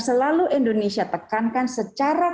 selalu indonesia tekankan secara